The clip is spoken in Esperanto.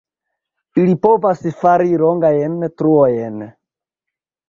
Ili povas fari longajn truojn.